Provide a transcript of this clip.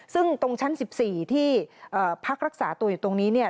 ซึ่งตรงชั้น๑๔ที่พักรักษาตัวอยู่ตรงนี้เนี่ย